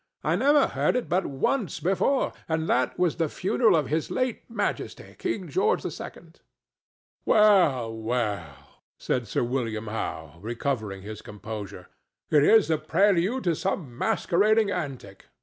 I never heard it but once before, and that was at the funeral of his late Majesty, King George II." "Well, well!" said Sir William Howe, recovering his composure; "it is the prelude to some masquerading antic.